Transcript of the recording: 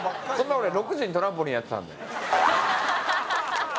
俺、６時にトランポリンやってたんで。